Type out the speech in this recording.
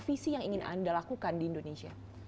visi yang ingin anda lakukan di indonesia